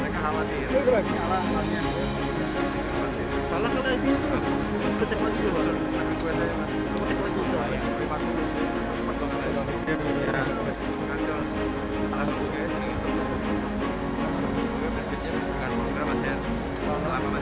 jadi streaming di streamingnya